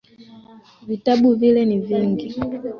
Vitabu vile ni vingi.